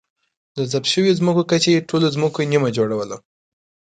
د ضبط شویو ځمکو کچې ټولو ځمکو نییمه جوړوله.